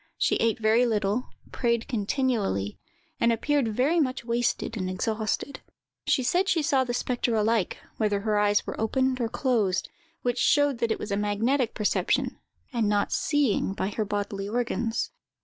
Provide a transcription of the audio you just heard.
She ate very little, prayed continually, and appeared very much wasted and exhausted. She said she saw the spectre alike, whether her eyes were opened or closed, which showed that it was a magnetic perception, and not seeing by her bodily organs.